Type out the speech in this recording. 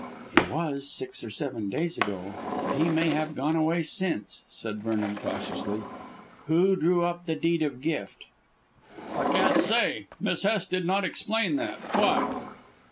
"He was, six or seven days ago, but he may have gone away since," said Vernon cautiously. "Who drew up the Deed of Gift?" "I can't say. Miss Hest did not explain that. Why?"